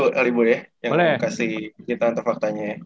yang kasih kita antar faktanya